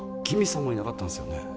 木見さんもいなかったんですよね